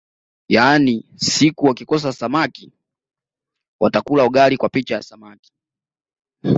Yaani siku wakikosa samamki watakula ugali kwa picha ya samaki